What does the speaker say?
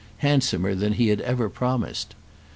—handsomer than he had ever promised.